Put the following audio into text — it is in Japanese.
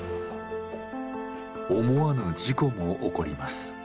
思わぬ事故も起こります。